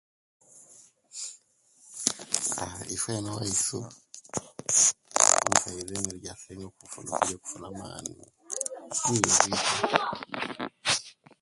A, ife eenu owaisu, omusaiza emere ejasinga okufuna amaani iivi.